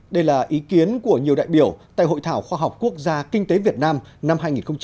đây là ý kiến của nhiều đại biểu tại hội thảo khoa học quốc gia kinh tế việt nam năm hai nghìn một mươi chín